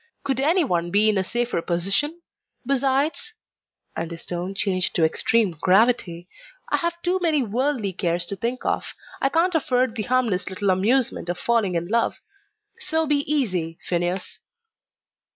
Could any one be in a safer position? Besides," and his tone changed to extreme gravity, "I have too many worldly cares to think of; I can't afford the harmless little amusement of falling in love so be easy, Phineas."